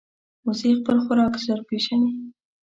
وزې خپل خوراک ژر پېژني